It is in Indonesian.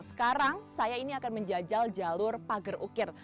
sekarang saya ini akan menjajal jalur pagar ukir